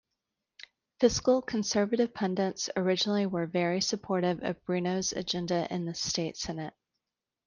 Fiscal conservative pundits originally were very supportive of Bruno's agenda in the State Senate.